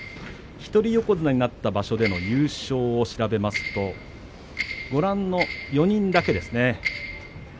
一人横綱になった場所での優勝を調べますとご覧の４人だけですね。